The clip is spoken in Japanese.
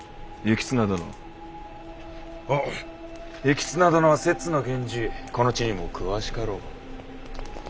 行綱殿は摂津の源氏この地にも詳しかろう。